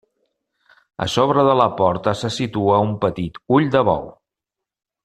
A sobre de la porta se situa un petit ull de bou.